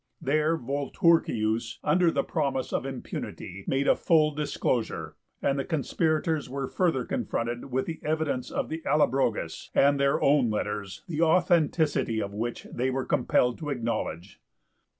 There Volturcius, under promise of impunity, made a full disclosure, and the conspirators were further confronted with the evidence of the Allobroges, and their own letters, the authenticity of which they were compelled to acknowledge.